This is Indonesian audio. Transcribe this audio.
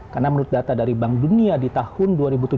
karena menurut data dari bank dunia di tahun dua ribu tujuh belas